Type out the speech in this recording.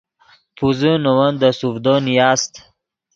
پوزے نے ون دے سوڤدو نیاست